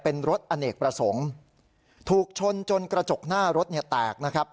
เป็นรถอเนกประสงค์ถูกชนจนกระจกหน้ารถเนี่ยแตกนะครับ